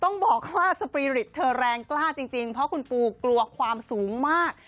ต้องบอกว่าสปีริตเธอแรงกล้าจริงเพราะคุณปูกลัวความสูงมาก